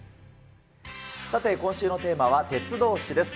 さて、今週のテーマは、鉄道史です。